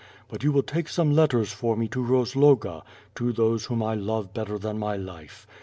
But you will take some letters for me to Rozloga, to those whom I love better than my life.